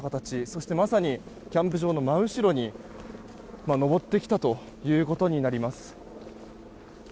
そして、まさにキャンプ場の真後ろに登ってきたということになります。